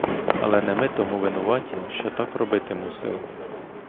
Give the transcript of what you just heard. Але не ми тому винуваті, що так робити мусили.